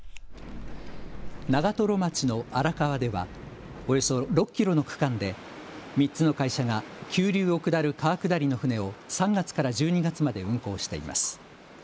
長瀞町の荒川ではおよそ６キロの区間で３つの会社が急流を下る川下りの舟を３月から１２月まで運航しています。